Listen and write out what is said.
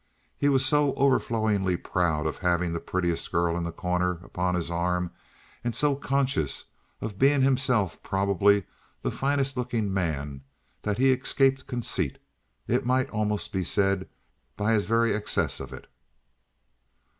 He was so overflowingly proud of having the prettiest girl in The Corner upon his arm and so conscious of being himself probably the finest looking man that he escaped conceit, it might almost be said, by his very excess of it.